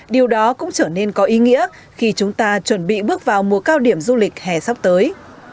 điều đó cũng trở nên có ý nghĩa khi chúng ta chuẩn bị bước vào mùa cao điểm du lịch hè sắp tới